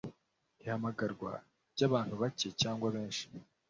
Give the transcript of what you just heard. ihamagarwa ry abantu bake cyangwa benshi